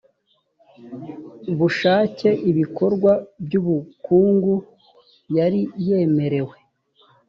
bushake ibikorwa by ubukungu yari yemerewe